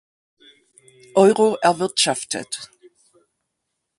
Euro erwirtschaftet.